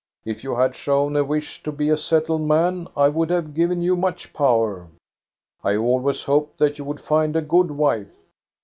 If you had shown a wish to be a settled man, I would have given you much power. I always hoped that you would find a good wife.